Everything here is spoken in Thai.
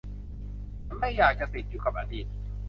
ฉันไม่อยากจะติดอยู่กับอดีต